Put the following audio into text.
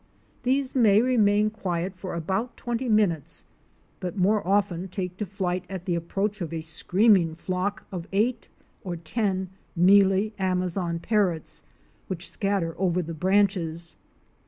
These may remain quiet for about twenty minutes, but more often take to flight at the approach of a screaming flock of eight or ten Mealy Amazon Parrots which scatter over the branches.